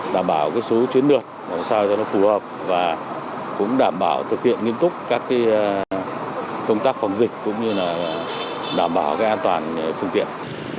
đảm bảo cái số tuyến đường làm sao cho nó phù hợp và cũng đảm bảo thực hiện nghiêm túc các cái công tác phòng dịch cũng như là đảm bảo cái an toàn phương tiện